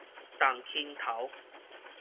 重輕頭